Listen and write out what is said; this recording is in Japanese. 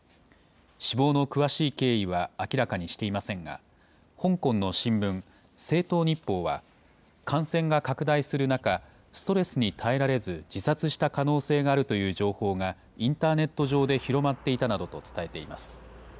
死亡の詳しい経緯は明らかにしていませんが、香港の新聞、星島日報は感染が拡大する中、ストレスに耐えられず自殺した可能性があるという情報がインターネット上で広まっていたなどと伝えています。